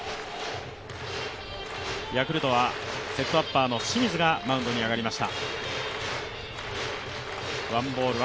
ヤクルトはセットアッパーの清水がマウンドに上がりました。